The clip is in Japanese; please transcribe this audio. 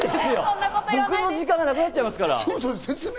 僕の時間がなくなっちゃいますから。